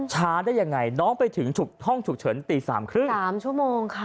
ได้ยังไงน้องไปถึงห้องฉุกเฉินตีสามครึ่งสามชั่วโมงค่ะ